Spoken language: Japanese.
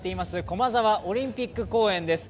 駒沢オリンピック公園です。